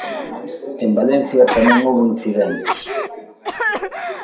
En Valencia tamén houbo incidentes.